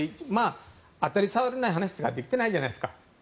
当たり障りのない話しかできてないじゃないですか。